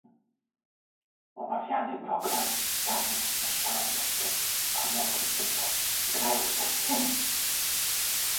Omawiany program daje również szanse uczestnictwa młodym ludziom z krajów ościennych